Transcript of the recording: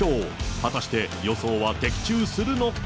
果たして予想は的中するのか。